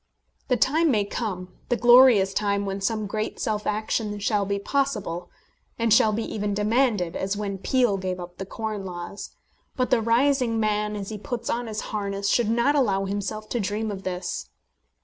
The time may come, the glorious time when some great self action shall be possible, and shall be even demanded, as when Peel gave up the Corn Laws; but the rising man, as he puts on his harness, should not allow himself to dream of this.